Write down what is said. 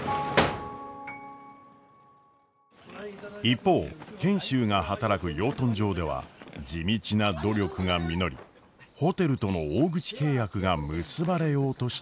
一方賢秀が働く養豚場では地道な努力が実りホテルとの大口契約が結ばれようとしていました。